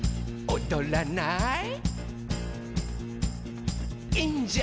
「おどらない？」